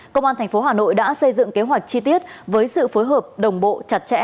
công an tp hà nội đã xây dựng kế hoạch chi tiết với sự phối hợp đồng bộ chặt chẽ